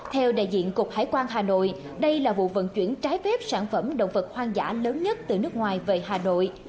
theo đại diện cục hải quan hà nội đây là vụ vận chuyển trái phép sản phẩm động vật hoang dã lớn nhất từ nước ngoài về hà nội